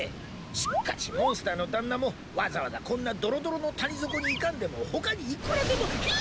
しっかしモンスターの旦那もわざわざこんなドロドロの谷底に行かんでも他にいっくらでもひぇぇ！